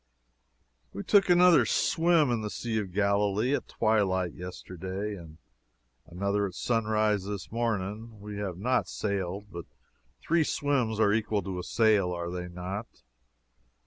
We took another swim in the Sea of Galilee at twilight yesterday, and another at sunrise this morning. We have not sailed, but three swims are equal to a sail, are they not?